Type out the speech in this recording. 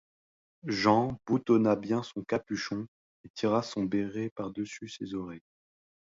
Jean boutonna bien son capuchon et tira son béret par dessus ses oreilles.